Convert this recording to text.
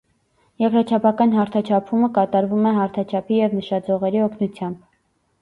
Երկրաչափական հարթաչափումը կատարվում է հարթաչափի և նշաձողերի օգնությամբ։